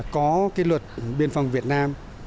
có cái luật biên phòng việt nam